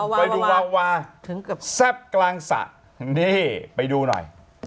ไปดูวาวาแซ่บกลางสระนี่ไปดูหน่อย